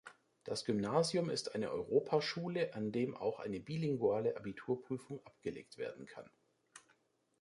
Das Gymnasium ist eine Europaschule, an dem auch eine bilinguale Abiturprüfung abgelegt werden kann.